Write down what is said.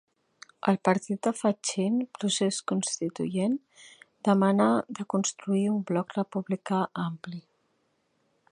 El partit de Fachín, Procés Constituent, demana de constituir un bloc republicà ampli.